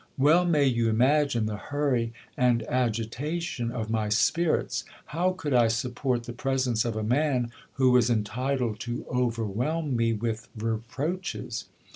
Well may you imagine the hurry and agitation of my spirits. How could I support the presence of a man, who was entitled to overwhelm me with reproaches